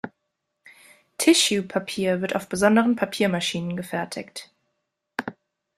Tissue-Papier wird auf besonderen Papiermaschinen gefertigt.